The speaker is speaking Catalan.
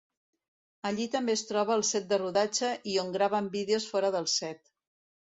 Allí també es troba el set de rodatge i on graven vídeos fora del set.